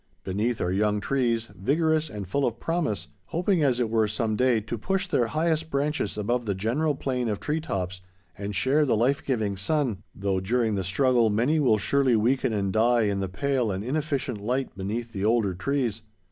Beneath, are young trees, vigorous and full of promise, hoping, as it were, some day to push their highest branches above the general plane of tree tops and share the life giving sun, though, during the struggle, many will surely weaken and die in the pale and inefficient light beneath the older trees.